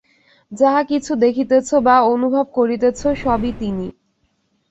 যাহা কিছু দেখিতেছ বা অনুভব করিতেছ, সবই তিনি।